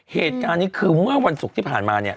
เหตุการณ์นี้คือเมื่อวันศุกร์ที่ผ่านมาเนี่ย